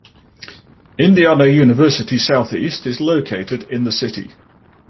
Indiana University Southeast is located in the city.